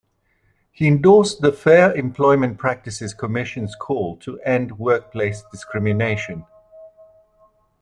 He endorsed the Fair Employment Practices Commission's call to end workplace discrimination.